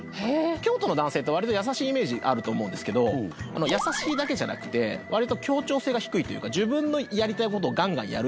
京都の男性って割と優しいイメージあると思うんですけど優しいだけじゃなくて割と協調性が低いというか自分のやりたい事をガンガンやるっていうタイプなんですね。